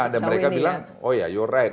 dan mereka bilang oh ya you're right